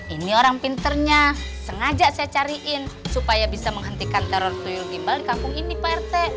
ini orang pinternya sengaja saya cariin supaya bisa menghentikan teror gimbal di kampung ini prt